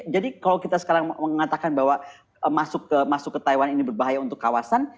jadi kalau kita sekarang mengatakan bahwa masuk ke taiwan ini berbahaya untuk kawasan